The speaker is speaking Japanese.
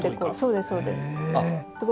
そうですそうです。